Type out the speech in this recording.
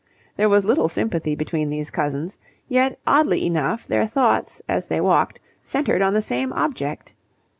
There was little sympathy between these cousins: yet, oddly enough, their thoughts as they walked centred on the same object.